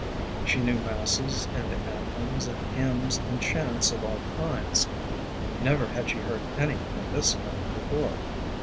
She knew masses and anthems and hymns and chants of all kinds; never had she heard anything of this kind before.